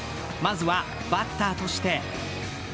まずはバッターとして。